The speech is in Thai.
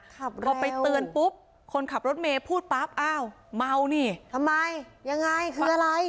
พอไปเตือนปุ๊บคนขับรถเมย์พูดปั๊บอ้าวเมานี่ทำไมยังไงคืออะไร